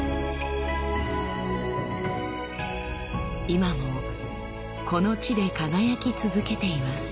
今もこの地で輝き続けています。